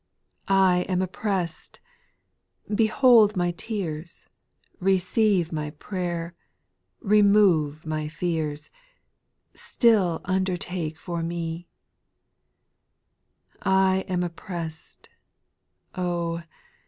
I am oppressed ; behold my tears, Receive my prayer, remove my fears ; Still undertake for me I 7. I am oppressed ; O